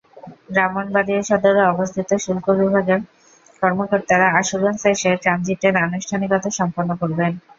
ব্রাহ্মণবাড়িয়ায় সদরে অবস্থিত শুল্ক বিভাগের কর্মকর্তারা আশুগঞ্জ এসে ট্রানজিটের আনুষ্ঠানিকতা সম্পন্ন করবেন।